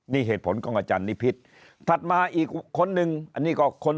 นี่เหตุผลของอาจารย์นิพิษถัดมาอีกคนนึงอันนี้ก็คน